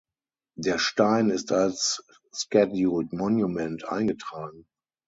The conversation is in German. Der Stein ist als Scheduled Monument eingetragen.